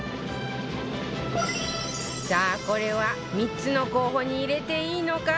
さあこれは３つの候補に入れていいのか？